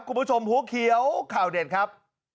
คุณผู้ชมหัวเขียวข่าวเด็ดครับ